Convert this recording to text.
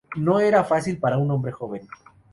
No era fácil para un hombre joven.